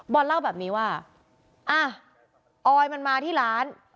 เล่าแบบนี้ว่าอ่ะออยมันมาที่ร้าน